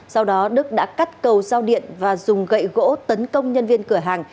sau đó đức đã cắt cầu giao điện và dùng gậy gỗ tấn công nhân viên cửa hàng